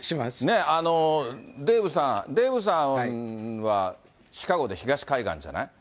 デーブさん、デーブさんはシカゴで東海岸じゃない？